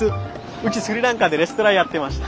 うちスリランカでレストランやってました。